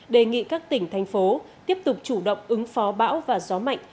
đề nghị các tỉnh thành phố tiếp tục chủ động ứng phó bão và gió mạnh